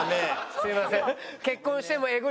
すいません。